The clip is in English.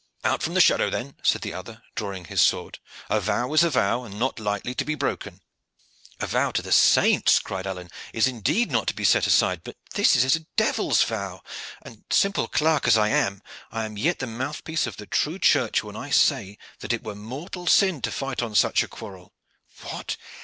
"Out from the shadow then," said the other, drawing his sword. "A vow is a vow, and not lightly to be broken." "A vow to the saints," cried Alleyne, "is indeed not to be set aside; but this is a devil's vow, and, simple clerk as I am, I am yet the mouthpiece of the true church when I say that it were mortal sin to fight on such a quarrel. What!